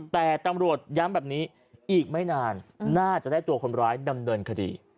แต่ตำรวจย้ำแบบนี้อีกไม่นานน่าจะได้ตัวคนร้ายดำเนินคดี